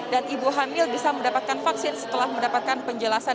dan ibu hamil bisa mendapatkan vaksin setelah mendapatkan penjelasan